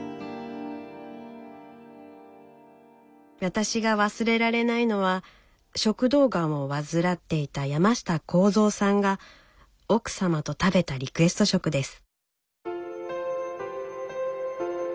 私が忘れられないのは食道がんを患っていた山下幸三さんが奥様と食べたリクエスト食です。